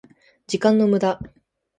時間の無駄